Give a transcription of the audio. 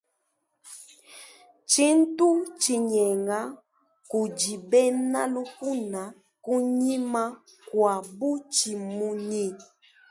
Tshintu tshinyenga kudi bena lukuna kunyima kua butshimunyi.